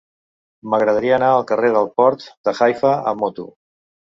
M'agradaria anar al carrer del Port de Haifa amb moto.